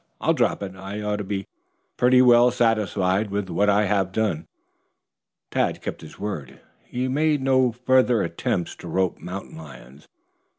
I'll drop it. I ought to be pretty well satisfied with what I have done." Tad kept his word. He made no further attempts to rope mountain lions.